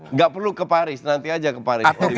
nggak perlu ke paris nanti aja ke paris